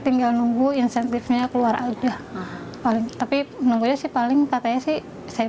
tinggal nunggu insentifnya keluar aja paling tapi menunggunya sih paling katanya sih saya